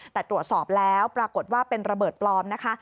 แต่ตรวจสอบแล้วปรากฏว่าเป็นระเบิดปลอมนะคะ